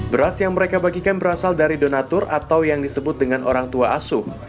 beras yang mereka bagikan berasal dari donatur atau yang disebut dengan orang tua asuh